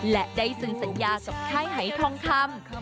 และได้ซึ่งสัญญาสกไทยไห้ทองคำ